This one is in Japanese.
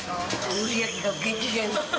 売り上げが激減。